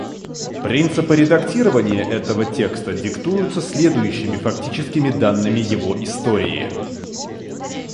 Принципы редактирования этого текста диктуются следующими фактическими данными его истории.